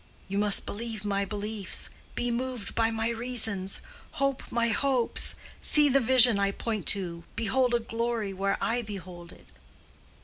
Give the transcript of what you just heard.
—"You must believe my beliefs—be moved by my reasons—hope my hopes—see the vision I point to—behold a glory where I behold it!"